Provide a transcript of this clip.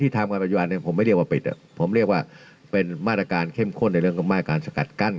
ทำกันปัจจุบันผมไม่เรียกว่าปิดผมเรียกว่าเป็นมาตรการเข้มข้นในเรื่องของมาตรการสกัดกั้น